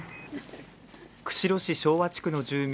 釧路市昭和地区の住民